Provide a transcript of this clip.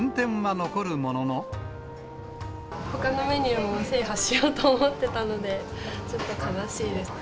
ほかのメニューも制覇しようと思ってたので、ちょっと悲しいです。